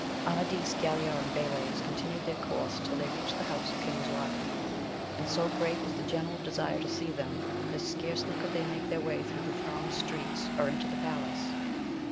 MADIS, Galaor, and Balays, continued their course till they reached the house of King Lisuarte, and so great was the general desire to see them that scarcely could they make way thro' the thronged streets, or enter the palace.